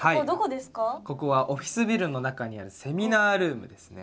ここはオフィスビルの中にあるセミナールームですね。